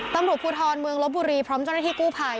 ตำรวจภูทรเมืองลบบุรีพร้อมเจ้าหน้าที่กู้ภัย